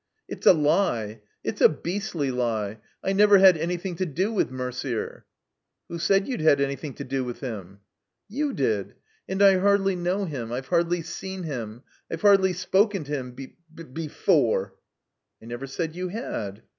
"It's a lie! It's a beastly lie! I never had any thing to do with Mercier." "Who said you'd had anjrthing to do with him?" "You did. And I hardly know him. I've hardly seen him. I've hardly spoken to him be — ^be — before." "I never said you had."